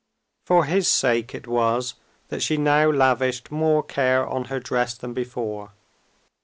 For his sake it was that she now lavished more care on her dress than before.